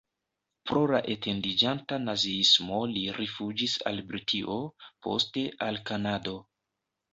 Pro la etendiĝanta naziismo li rifuĝis al Britio, poste al Kanado.